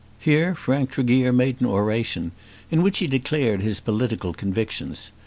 Here Frank Tregear made an oration, in which he declared his political convictions.